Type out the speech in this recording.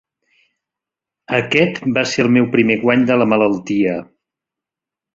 Aquest va ser el meu primer guany de la malaltia.